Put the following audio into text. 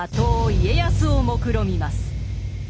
家康をもくろみます。